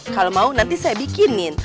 kalau mau nanti saya bikinin